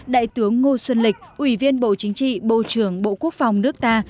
đại tướng ngô xuân lịch ủy viên bộ chính trị bộ trưởng bộ quốc phòng nước ta